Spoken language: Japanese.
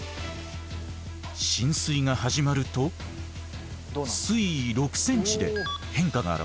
浸水が始まると水位６センチで変化が現れました。